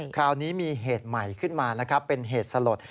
คราวนี้มีเหตุใหม่ขึ้นมานะครับเป็นเหตุสลด